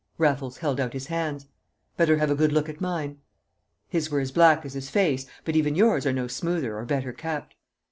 Raffles held out his hands. "Better have a good look at mine." "His were as black as his face, but even yours are no smoother or better kept."